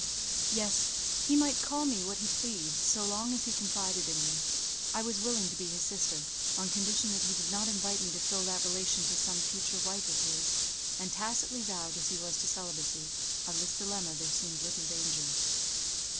Yes; he might call me what he pleased, so long as he confided in me. I was willing to be his sister, on condition that he did not invite me to fill that relation to some future wife of his; and tacitly vowed as he was to celibacy, of this dilemma there seemed little danger.